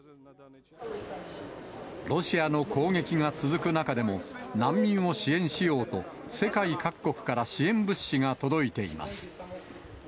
ロシアの攻撃が続く中でも、難民を支援しようと、世界各国から支援物資が届いています。